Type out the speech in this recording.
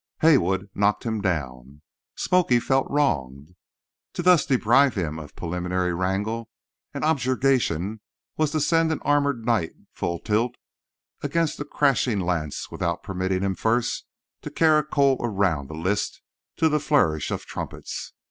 Haywood knocked him down. "Smoky" felt wronged. To thus deprive him of preliminary wrangle and objurgation was to send an armoured knight full tilt against a crashing lance without permitting him first to caracole around the list to the flourish of trumpets.